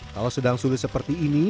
kalau sedang sulit seperti ini